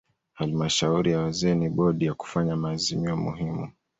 Halmashauri ya wazee ni bodi ya kufanya maazimio muhimu.